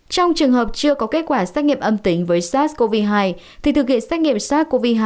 trong trường hợp chưa có kết quả xét nghiệm âm tính với sars cov hai thì thực hiện xét nghiệm sars cov hai